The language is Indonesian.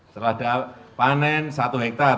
setelah panen satu hektare